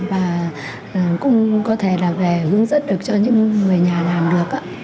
và cũng có thể là về hướng dẫn được cho những người nhà làm được